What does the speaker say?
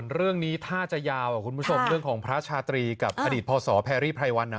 เรื่องนี้ถ้าจะยาวคุณผู้ชมเรื่องของพระชาตรีกับอดีตพศแพรรี่ไพรวัน